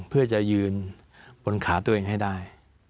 เพื่อจะยืนบนขาตัวเองให้ได้